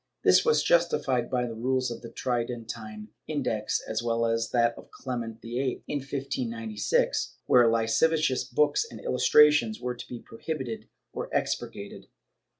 This was justified by the rules of the Tridentine Index as well as of that of Clement VHI, in 1596, where lascivious books and illustrations were to be prohibited or expurgated.